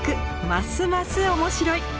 ますます面白い！